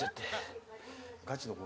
ガチの方。